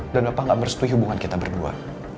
dan papa gak merestui hubungan kita berdua